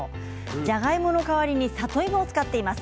じゃがいもの代わりに里芋を使っています。